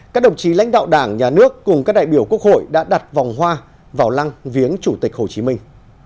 các đồng chí lãnh đạo đảng nhà nước cùng các đại biểu quốc hội đã đặt vòng hoa vào lăng viếng chủ tịch hồ chí minh